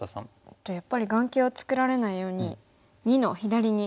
じゃあやっぱり眼形を作られないように②の左に。